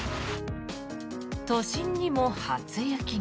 都心にも初雪が。